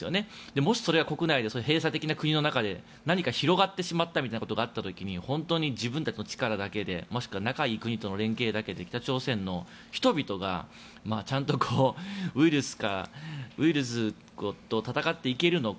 もしそれが、国内で閉鎖的な国の中で何か広がってしまったみたいなことがあった場合本当に自分たちの力だけでまたは仲がいい国とのつながりだけで北朝鮮の人々がウイルスと闘っていけるのか。